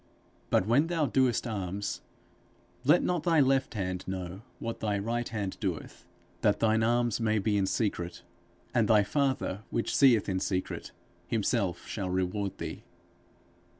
But when thou doest alms, let not thy left hand know what thy right hand doeth; that thine alms may be in secret; and thy father which seeth in secret, himself shall reward thee.